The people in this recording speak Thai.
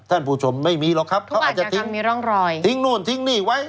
ท่านผู้ชมไม่มีหรอกครับเขาอาจจะทิ้งมีร่องรอยทิ้งนู่นทิ้งนี่ไว้